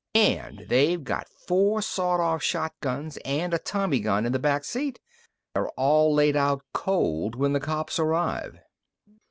And they've got four sawed off shotguns and a tommy gun in the back seat. They're all laid out cold when the cops arrive."